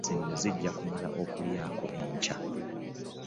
Zino zijja kummala okulyako enkya.